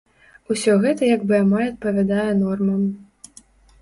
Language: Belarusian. Усё гэта як бы амаль адпавядае нормам.